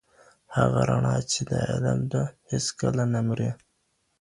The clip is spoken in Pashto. هغه رڼا چي د علم ده هېڅکله نه مري.